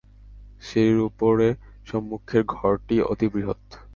সিঁড়ির উপরে সম্মুখের ঘরটি অতি বৃহৎ।